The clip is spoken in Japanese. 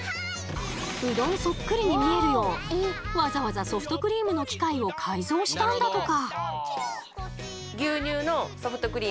うどんそっくりに見えるようわざわざソフトクリームの機械を改造したんだとか！